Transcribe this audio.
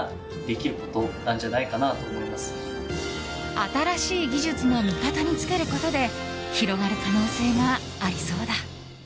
新しい技術を味方につけることで広がる可能性がありそうだ。